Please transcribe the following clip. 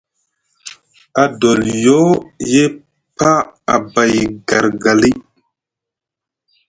Adoliyo ye paa abay gargali.